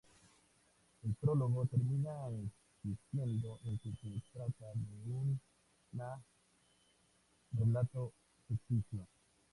El prólogo termina insistiendo en que se trata de una relato ficticio.